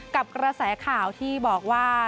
กับกระแสข่าวที่บอกว่า